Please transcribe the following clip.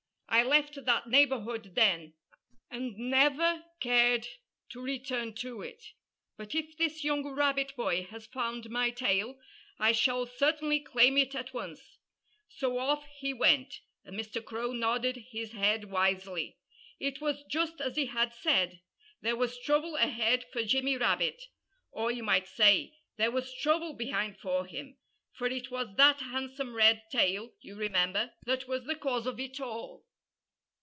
I left that neighborhood then; and never cared to return to it. But if this young Rabbit boy has found my tail, I shall certainly claim it at once." So off he went. And Mr. Crow nodded his head wisely. It was just as he had said! There was trouble ahead for Jimmy Rabbit or, you might say, there was trouble behind for him; for it was that handsome red tail, you remember, that was the cause of it all.